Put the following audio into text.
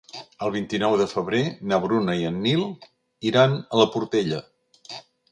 El vint-i-nou de febrer na Bruna i en Nil iran a la Portella.